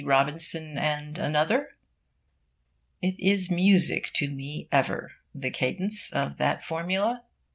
Robinson and Another"?' It is music to me ever, the cadence of that formula.